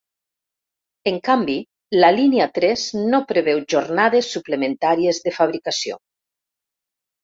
En canvi, la línia tres no preveu jornades suplementàries de fabricació.